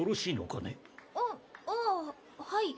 あああはい。